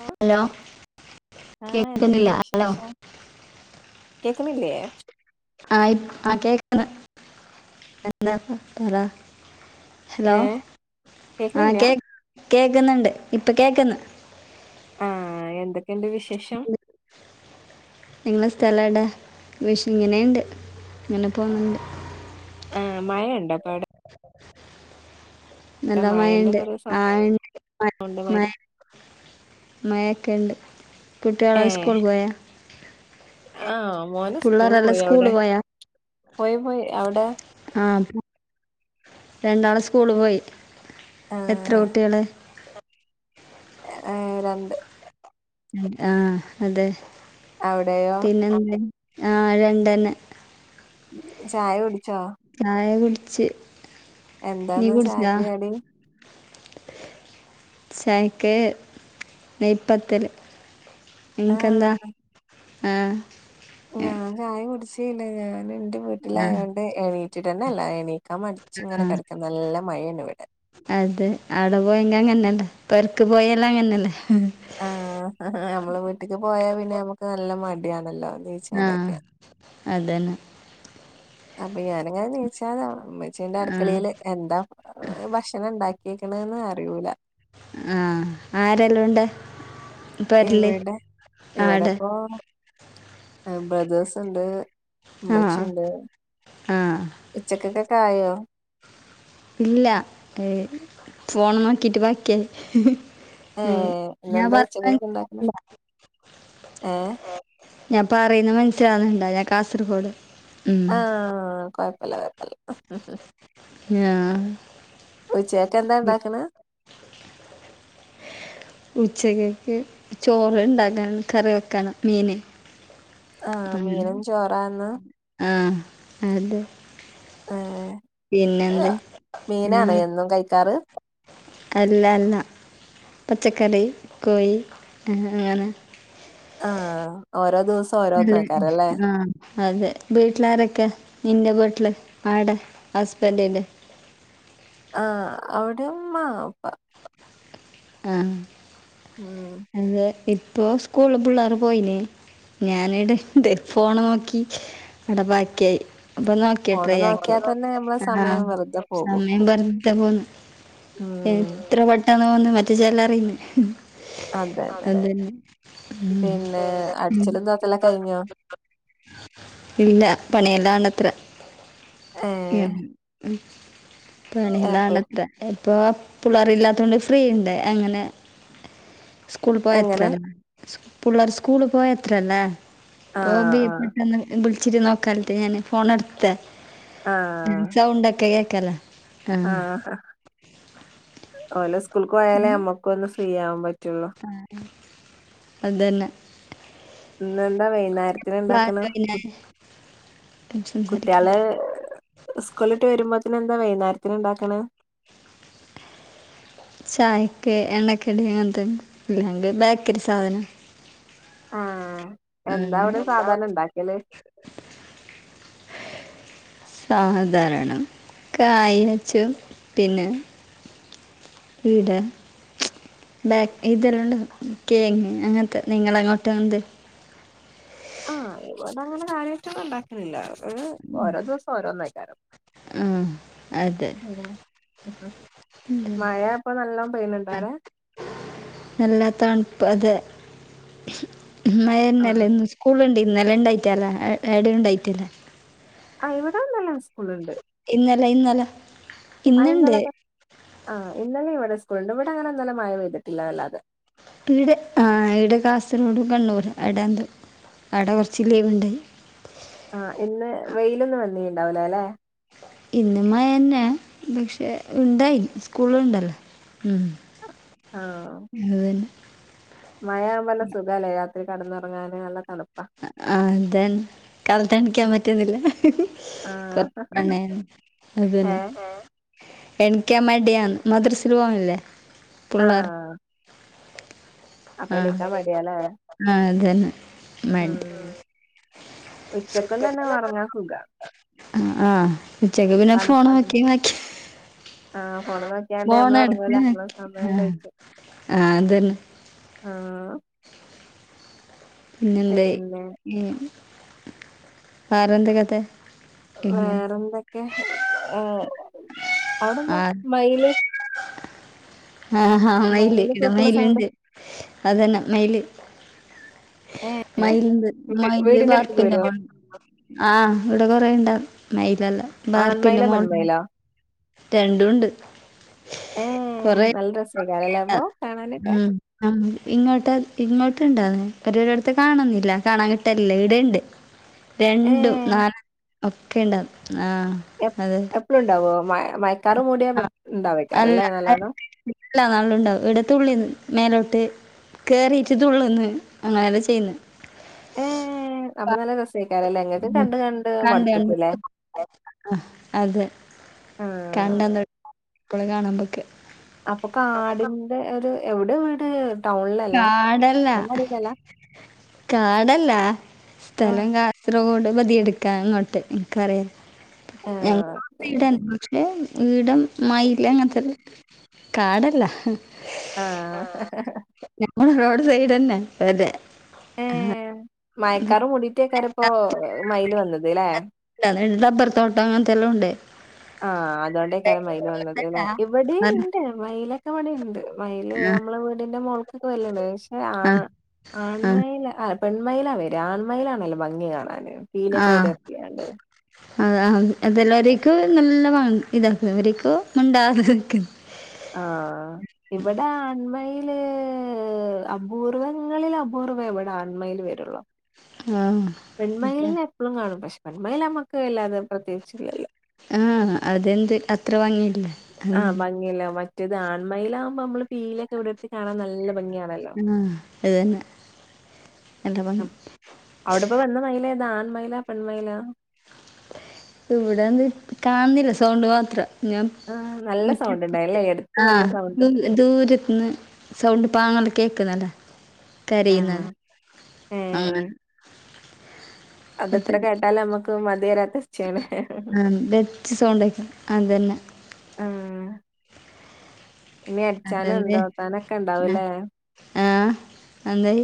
ആ ഹലോ ആഹ് കേൾക്കുന്നില്ല എന്തൊക്കെയുണ്ട് ഹലോ കേൾക്ക്ണില്ലേ ആഹ ആ കേക്കണ് എന്താ പറ ഹലോ ഏഹ് ആഹ കേക്കണില്ല കേ കേക്കുന്നുണ്ട് ഇപ്പൊ കേക്ക്ന്ന് ആഹ എന്തൊക്കെയുണ്ട് വിശേഷം നിങ്ങളെ സ്ഥല എവ്ടെ വിഷ ഇങ്ങനെയുണ്ട് ഇങ്ങനെ പോന്നുണ്ട് ആഹ മഴയണ്ട ഇപ്പ അവ്ടെ നല്ല മഴന്റെ മഴണ്ട് കുറേ ആണ്ട് മഴ സൗണ്ട്മാര് മയൊക്കെ ഉണ്ട് കുട്ട്യാളൊ സ്കൂൾക്ക് പോയ ആഹ മോന് സ്കൂള് പിള്ളേരെല്ലാം പോയി അവിടെ സ്കൂളിൽ പോയി പോയി അവിടെ ആഹ രണ്ടാള് സ്കൂള് പോയി എത്ര ആഹ് കുട്ടികള് ഏഹ് രണ്ട് ആഹ അതെ അവിടെയോ പിന്നെന്ത ആ രണ്ടെന്നെ ചായ കുടിച്ചോ ചായെ കുടിച്ച് നീ എന്താന്ന് കുടിച്ചാ ചായക്ക് [inaudible] ചായക്ക് നെയ്പത്തല് ഇങ്ങക്ക് എന്താ ആഹ് ആഹ് ഞാൻ ചായ കുടിചീല്ല ഞാൻ ഇന്റെ ആഹ് വീട്ടിലായോണ്ട് എണീറ്റ്ട്ടന്നെ ഇല്ല എണീ ണിക്കാൻ മടിച്ച് ഇങ്ങനെ കിടക്കാൻ നല്ല മഴേണ് ഇവിടെ അത അവിടെ പോയെങ്ക അങ്ങനെയല്ലേ പെർക്ക് പോയല്ലാം അങ്ങനല്ലേ ആഹ നമ്മള് വീട്ടിക്ക് പോയാ പിന്നെ നമ്മുക്ക് നല്ല മടിയാണല്ലോ നീച്ചാനൊക്കെ ആഹ അതെന്നെ അപ്പൊ ഞാൻ ഇങ്ങനെ നീച്ചാതെ അച്ചീന്റെ ആഹ് അടുക്കളയിയില് എന്താ ഭക്ഷണം ഉണ്ടാക്കിേക്കണന്ന് അറിയൂല ആഹ ആരെല്ലാംണ്ട്. ഇവിടെ ഇവിടെപ്പോ ബ്രദേേഴ്സ് ഉണ്ട് ആഹ് ഉമ്മച്ചിണ്ട് ആഹ് ഉച്ചക്കൊക്കെ ആയോ ഇല്ല ഏ ഫോൺ നോക്കിട്ട് ബാക്കേ ഉ ഏഹ് ഞാൻ ഇന്നെന്താ പറഞ്ഞത് ഉച്ചക്കൊക്കെ ഉണ്ടാക്കണെ കേക്ക്ണ്ട ഏഹ് ഞാൻ പറയുന്നത് മനസ്സിലാന്നുണ്ടോ ഞാൻ കാസർഗോഡ് ഉം ആഹ കൊയപ്പില്ല കൊയപ്പില്ല ഹ് ആ ഉചേക്ക്ന്താ ഇണ്ടാക്ക്ണ് ഉച്ചക്കെക്ക് ചോറ് ഉണ്ടാക്കണം കറി വെക്കണം മീന് ആഹ അങ്ങനെ മീനും ചോറാന്ന് ആ അതെ ഏ ആ, മീനാണ് എന്നും കഴിക്കാറ് അല്ല അല്ല പച്ചക്കറി കോയി അങ്ങനെ ആഹ ഓരോ ദിവസം ഓരോ നോക്കാല്ലേ ആ അതെ വീട്ടിലാരൊക്കെ നിന്റെ വീട്ടില് ആടെ ഹസ്ബൻറിന്റെ ആഹ് അവിടെ ഉമ്മ ഉപ്പ ആഹ ഉം അത് ഇപ്പോ സ്കൂള് പിള്ളേർ പോയില്ലെ ഞാന ഇടെ ഫോണ് നോക്കി അടബാക്കിയായി അപ്പൊ നോ ഫോണ് ട്രൈ ആക്കി നോക്കിയാ തന്നെ നമ്മളെ ആഹ സമയം വെറുതെ പോകും സമയം പറ ഇ പോന്നു ഉം എത്ര പെട്ടന്ന് പോന്നു മറ്റേ ചൊല്ലറിന്ന് അത് അതന്നെ പിന്നെ പിന്നെ അടിച്ചലും തോത്തലും കഴിഞ്ഞോ [inaudible] ഇല്ല പണിയല്ലാണത്രെ ഏഹ് എൻ എപ്പള പണിയിലാണത്രെ ഇപ്പൊ പിള്ളർ ഇല്ലാത്തുകൊണ്ട് ഫ്രീ ഉണ്ട് അങ്ങനെ സ്കൂൾ എങ്ങനെ പോയത്രല്ലേ പിള്ളേർ സ്കൂള പോയത്രല്ലേ ആഹ് ഇപ്പോ ബ ആഹ് പെട്ടെന്ന് വിളിച്ചിട്ട് നോക്കാനിട്ട് ഞാന് ഫോണ എടുത്ത ആഹ് ന സൗണ്ടൊക്കെ കേക്കല്ലേ ആഹ് ഹ ഓല സ്കൂൾക്ക് പോയാലേ അമ്മക്ക ഒന്ന് ഫ്രീ ആവാൻ പറ്റുള്ളു ആ അതന്നെ ഇന്ന്ന്താ വൈന്നേരത്തിന് ഇണ്ടാക്കണ് കുട്ട്യേള് സംസാരിക്കാത്ത സ്കൂളിട്ട് വരുമ്പോത്തന് എന്താ വൈകുന്നേരത്തിന് ഉണ്ടാക്കണ ചായക്ക് എണ്ണക്കടി അങ്ങനത്തെ ഇല്ലെങ്കിൽ ബേക്കറി സാധനം എന്താവിടെ അങ്ങനെ സാധാരണണ്ടാക്കല് സാധാരണം കായച്ചും പിന്നെ വീഡ ബാക്ക് ഇ തരുല്ല കേങ്ങ് അങ്ങനത്തെ നിങ്ങളങ്ങോട്ട് എന്ത് ആ ഇവടെ അങ്ങനെ കാര്യട്ടൊന്നും ഉണ്ടാക്കുന്നില്ല ഓരോ ദിവസം ഓരോന്നയിക്കാരം ആ അതെ ഉ ഉ മഴ ഇപ്പൊ നല്ല പെയുന്നുണ്ടആടെ നല്ല തണുപ്പ് അത് ആഹ് മയഞ്ഞല്ലേ ഇന്ന് സ്കൂള ഇണ്ട് ഇന്നലെ ഇണ്ടായിട്ടല്ല എട ഉണ്ടായിട്ടില്ല ആ ഇവിടെ നല്ല സ്കൂളുണ്ട് ഇന്നലെ ഇന്നലെ ആ ഇന്നുണ്ട് ഇന്നലൊക്കെ ആ ഇന്നലെ ഇവിടെ സ്കൂളുണ്ട് ഇവിടെ അങ്ങനെ ഇന്നലെ മഴ പെയ്തിട്ടില്ല വല്ലാതെ ഇവിടെ ആ ഇവിടെ കാസർഗോഡ് കണ്ണൂർ അവിടെ എന്ത അവിടെ കുറച്ച് ലീവ് ഉണ്ടായി ആഹ് ഇന്ന് വെയിലൊന്ന വന്നീ ഉണ്ടാവൂല ല്ലെ ഇന്നമയന്നെ പക്ഷെ ഉണ്ടായി സ്കൂളുണ്ടല്ലോ ഉം അതക ന്നെ മയാകുമ്പോല്ല സുഖമല്ലേ രാത്രി കടന്നൊറങ്ങാന് നല്ല തണുപ്പ ആ അതന്ന കാലത്ത്ണിക്കാൻ പറ്റുന്നില്ല ആഹ് കൊർന അതന്ന ഏഹ് എനിക്കാ മടിയ മദ്രസിൽ പോവില്ലേ പിള്ളേർ ആഹ് അപ്പൊ ആഹ് എണീക്കാൻ ആഹ് അതന്നെ മടി ആഹ് ഉച്ചക്കും തന്നെ ഒറങ്ങാ സുഖ ആഹ് ഉച്ചക്ക് പിന്നെ ഫോണ തണുപ്പായോണ്ട് നോക്കി മാക്കി ആഹ് ഫോണ നോക്കിയാണ്ട് നമ്മള ഉറങ്ങൂല നമ്മളെ നോക്കി സമയം ആഹ് കഴിക്യാ ആഹ് അതന്നെ ആഹ് [inaudible] പിന്നെന്ത പിന്നെ വേറെന്തൊ കഥ ഇങ്ങനെ വേറെന്തൊക്കെ ഏ അവിടെന്താ ആഹ് മയില് ആഹ് ആഹ മയിൽ മയില് ഇവ്ടെ കൂക്ക്ണ മെൽ സൗണ്ട് ഉണ്ട് അതന്ന മെൽ ഏ മൈൽണ്ട് വീ- മൈൽന്റെ വീടിന്റെ അടുത്ത്ക്ക് പാട്ട് വരോ ആഹ് വ്ടെ കൊറെേ ഇണ്ടാ മൈയിലല്ല ബാർപ്പിന്റെ ആൺമയിലോ മോൾ പെൺമയിലോ രണ്ടുംണ്ട് കൊറ ഏഹ് നല്ല രസേക്കാ ഉം ആ ഇങ്ങോട്ട് ഇങ്ങോട്ട്ണ്ടോർന്നു പരെരെട്ത്ത് കാണുന്നില്ല കാണാൻ കിട്ടലില്ല ഇവിടെണ്ട് [inaudible] രണ്ടും ഏഹ് നാല ഒക്കെ ഉണ്ട ആഹ് എപ്പ് അതെ എപ്പളുണ്ടാവോ മ മയക്കാറ് മൂടിയാ ഉണ്ടാവേക്കാരല്ലേ നല്ലോണം വീട്ട്ലാ നല്ല ഉണ്ടാവും ഇട്ത്തുള്ളിന്ന് മേലോട്ട് കേറിഇര്ന്ന് ഉള്ള്ന്ന് അങ്ങനെല്ലാം ചെയ്യുന്ന്. ഏഹ് അപ്പ നല്ല രസ. സേയ്ക്കരെല്ലേ ഇങ്ങക്ക് ഉം കണ്ട് കണ്ട് മട്ത്ത്ക്കുല്ലേ. ആഹ് അതെ കണ്ടന്ന് എപ്പളും കാണുമ്പൊക്ക്. അപ്പൊ കാടിന്റെ ഒരു എവിടെ വീട്. ടൗണിലല്ല കാടല്ല അങ്ങാടിയിലല്ല കാടല്ല ആഹ് സ്ഥലം കാ റോഡ് ബതിയെടുക്കാ ഇങ്ങോട്ട് എനിക്കറിയ ഞ ആഹ് [unintelligible] പക്ഷെ ഈടം മയില് അങ്ങത്തെ കാടല്ല. ആഹ്. ഞമ്മള് റോഡ് സൈഡ്ന്നെ അതെ. ഏഹ് മയക്കാറ് മൂടിട്ടേക്കാര്പ്പോ മയില് വന്നത് ല്ലെ. അത് ഡബ്ബർ തോട്ടം അങ്ങനത്തെല്ലോണ്ട്. ആഹ് അതുകൊണ്ടേക്കാരം മയില് വന്നത് ല്ലെ ആഹ് ആഹ് ഇവിടെണ്ട് മയിലൊക്കെ ഇവിടിണ്ട്. മയില് നമ്മളെ വീടിന്റെ മോള്ക്കൊക്കെ വരല്ണ്ട് പക്ഷെ ആ ആഹ് ആൺമയില്. പെൺമയിലാ വരാ ആൺമയിലാണല്ലോ ഭംഗി കാണാന് പീലിഒക്കെ വിടെർത്തിയണ്ട്. അ അതെല്ലാരീക്കും നല്ല ഇതാക്കും ഇവര്ക്ക് മുണ്ടാതിക്കും. ആഹ്. ഇവിടെ ആൺമയില് അപൂർവങ്ങളിൽ അപൂർവ ഇവിടെ ആൺമയില് വ രുള്ളു ആ ഇതാ. പെൺമയിലിന എപ്പഴും കാണും പക്ഷെ പെൺ മയില്മ്മക്ക് വല്ലാതെ പ്രത്യേകിച്ചില്ലല്ലോ. ആഹ് അതെന്ത് അത്ര ഭംഗില്ലേ. ആഹ് ഭംഗിയില്ല മറ്റേത് ആൺമയിലാകുമ്പോ നമ്മള് പീലിക്കെവിടെർത്തി കാണാൻ നല്ല ഭംഗിയാണല്ലോ ആഹ് അതന്നെ നല്ല ഭംഗി അവ്ടെപ്പ വന്ന മൈലേതാ ആൺമൈലാ പെൺമൈലാ. ഇവിടെന്ന് കാൺന്നില്ല സൗണ്ട് മാത്രം. ഞാം ആഹ് നല്ല സൗണ്ട് മറ്റേപെർത് ഉണ്ടായില്ലേ എടുത്ത് വന്ന ആഹ് സൗണ്ട് നോക് ദൂരത്ത്ന്ന് സൗണ്ട് പാങ്ങ കേൾക്ന്ന്ണ്ടോ. ആഹ് കരയുന്നത് ആഹ് ഏഹ് അതെത്ര കേട്ടാലും മ്മക്ക് മതിവരാത്ത ആ തന്നെ. ച്ച് സൗണ്ടേക്കും അതന്നെ. ആഹ് ഇനി അടിച്ചാനും തോത്താനൊക്കെണ്ടാവുലേ. ആഹ് അതെയ്.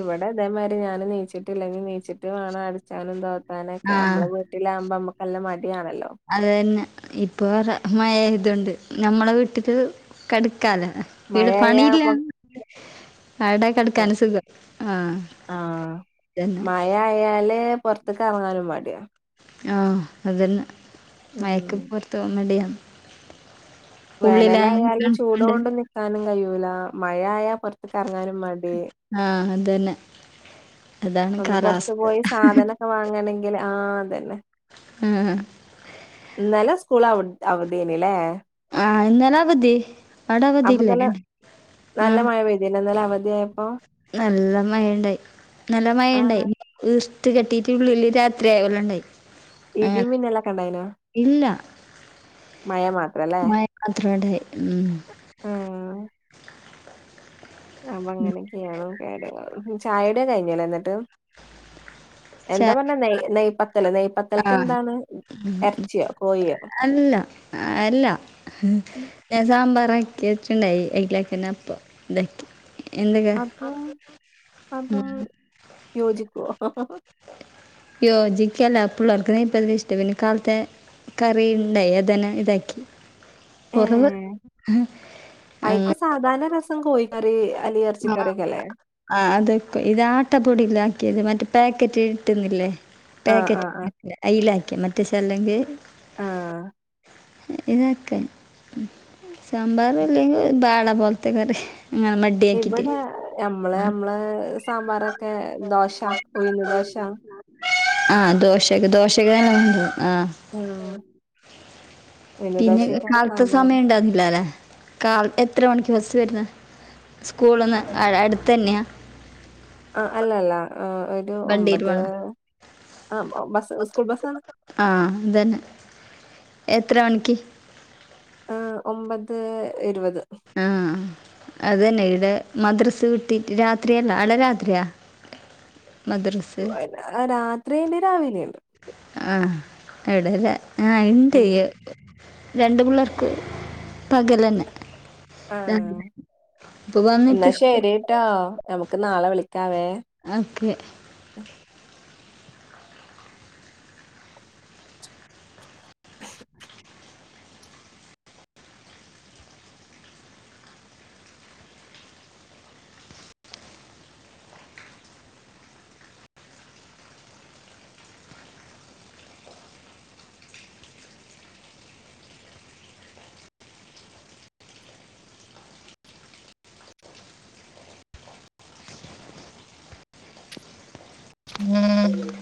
ഇവിടെ ഇതേമാരി ഞാന് നീച്ച്ട്ടില്ല ഞ്ഞി നീച്ചിട്ട് വേണം അടിച്ചാനും തോത്താനുക്കെ ആഹ് നമ്മള് വീ ട്ടിലാവുമ്പോ മ്മക്കല്ല മടിയാണല്ലോ. അത് തന്നെ ഇപ്പൊ മഴയ്തൊണ്ട് നമ്മളെ വീട്ടില് കെടക്കാല. വീട് മഴയായ പണിയില്ല നമ്മക്ക് അടെ. കെട്ക്കാന സുഖം ആഹ് അതന്നെ. മഴായാല് പൊറത്ക്കറങ്ങാനും മടിയ. ആഹ് അതന്നെ മയക് ഉം പൊർതോകാം മടിയാ. വേനലായാലും തണുപ്പുണ്ട് ചൂടോണ്ട് നിക്കാനും കയൂല മഴയായ. പൊറത്ത്ക്കെറങ്ങാനും മടി. ആഹ് അതന്നെ അതാണ് ഒന്ന് പൊറത് കാലാവസ്ഥ പോയി സാധനൊക്കെ വാങ്ങണങ്കില് ആഹ് അതന്നെ. ഉംഉം ന്നെലെ സ്കൂള് ഔ അവടേന്ന്ലേ. ആഹ് ഇന്നലവധി അവടവധി ഇല്ലേ ആഹ്. പിന്നന്നലെ അവധിയായപ്പോ. നല്ല മയണ്ടായി. നല്ല മഴണ്ടായി ആഹ് ഇർട്ട് കെട്ടിട്ട് ഉള്ളില് രാത്രി ആയ പോലെണ്ടായി. ഇടീം അങ്ങനെ മിന്നലൊക്കെണ്ടായിനോ ഇല്ല മഴ മാത്രല്ലേ അത്രേടായ് ഉം ആഹ് അപ്പങ്ങനെയൊക്കെയാണ് കാര്യങ്ങള് ചായോടി കയിഞ്ഞില്ലേ ന്നിട്ട് ച എന്താ പറഞ്ഞ നെയ് നെയ്പത്തലോ നെയ് ആഹ് ഉം കോഴിയോ? അല്ല അല്ല ഞാ സാമ്പാറാക്കി വചുണ്ടായി അയ്ല്ക്കന്നെ അപ്പം ണ്ടാക്കി എന്തൊക്കെ അതും അതും ഉം യോജിക്കോ യോജിക്കല്ല പുള്ളോർക്കിതല്ലേ ഇഷ്ട്ടം പിന്നെ കാലത്തെ കറി ണ്ടായി അതന്നെ ഇതാക്കി കൊറവ് ഏഹ് ഉം ആഹ് അയിക്ക് സാധാരണ രസം കോഴിക്കറി അല്ലെ ഇറച്ചിക്കറിയൊക്കെ അല്ലേ ആഹ് അതൊക്കെ ഇത് ആട്ടപ്പൊടിലാക്കിയത് മറ്റേ പാക്കറ്റ് കിട്ടുന്നില്ലേ ആഹ് പാക്കറ്റ് ആഹ് ആഹ് ല്ലേ അയിലക്കിയേ മറ്റേ ചേലങ് ആഹ് ഇതൊക്കെ സാമ്പാറില്ലെങ്കി ബാള പോലത്തെ കറി [unintelligible] ഇവടെ ഞമ്മളെ ഞമ്മളെ സാമ്പാറൊക്കെ ദോശ ഉഴുന്ന് ദോശ ആഹ് ദോശക്കെ ദോശക്കെ തന്നെ ഉണ്ട് ആഹ് ഉഴുന്ന് പിന്നെ ദോശക്കാണ് കാലത്ത് സാമ്പാറ് സമയം ണ്ടാർന്നില്ല ലേ കാൽ എത്ര മണിക്ക് ബസ് വരുന്നേ സ്കൂളിന്ന് അടു അടുത്തന്നെയാ ആഹ് അല്ല അല്ല ഒരു വണ്ടിയിൽ ഒമ്പത് പോകണം ആഹ് ബസ്സ് സ്കൂൾ ബസ്സാ ആഹ് അതന്നെ എത്ര മണിക്ക് ആഹ് ഒമ്പത് ഇരുവത് അതന്നെ ഇടെ മദ്രസ് വിട്ടിട്ട് രാത്രിയന്നാ അടെ രാത്രിയാ മദ്റസ് ആഹ് രാത്രിണ്ട് രാവിലെണ്ട് ആഹ് എടെല്ല ആഹ് ഇണ്ടേ ഉം രണ്ട് പിള്ളേർക്ക് പകലന്നെ ആഹ് ഇപ്പൊ എന്നാ വന്നിട്ട് ശരിട്ടോ നമുക്ക് നാളെ വിളിക്കാവേ ഓക്കെ [inaudible]